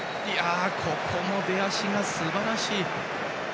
ここも出足がすばらしい。